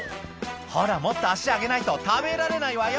「ほらもっと足上げないと食べられないわよ」